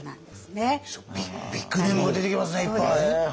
すごいビッグネームが出てきますねいっぱい。